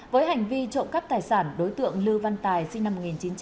với hành vi trộm cắp tài sản đối tượng lưu văn tài sinh năm một nghìn chín trăm tám mươi